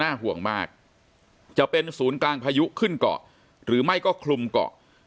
ห่วงมากจะเป็นศูนย์กลางพายุขึ้นเกาะหรือไม่ก็คลุมเกาะ